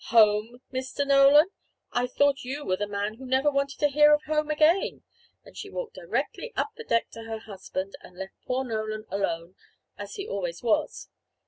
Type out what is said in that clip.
"Home!! Mr. Nolan!!! I thought you were the man who never wanted to hear of home again!" and she walked directly up the deck to her husband, and left poor Nolan alone, as he always was.